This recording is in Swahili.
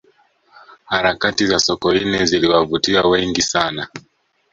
harakati za sokoine ziliwavutia wengi sana